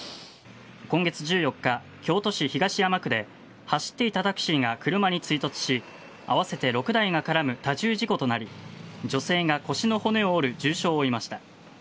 今月１４日、京都市東山区で走っていたタクシーが車に追突し合わせて６台が絡む多重事故となり女性が腰の骨を折る重傷を負いました。